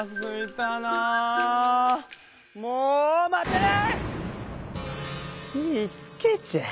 もう待てない！